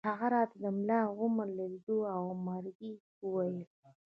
هغه راته د ملا عمر د لیدو او مرکې وویل